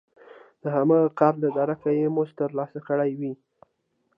د هماغه کار له درکه یې مزد ترلاسه کړی وي